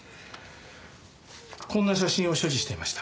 こんな写真を所持していました。